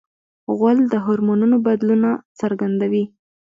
غول د هورمونونو بدلونه څرګندوي.